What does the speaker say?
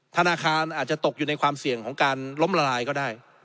ธนาคารอาจจะตกอยู่ในความเสี่ยงของการล้มละลายก็ได้